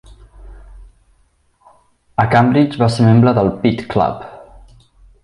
A Cambridge va ser membre del Pitt Club.